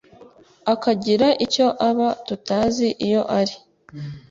akagira icyo aba tutazi iyo ari